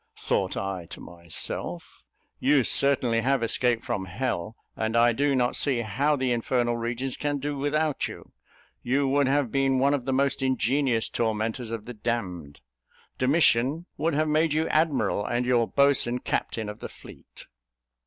Thought I to myself, "You certainly have escaped from hell, and I do not see how the infernal regions can do without you. You would have been one of the most ingenious tormentors of the damned. Domitian would have made you admiral, and your boatswain captain of the fleet!"